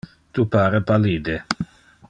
Tu pare pallide.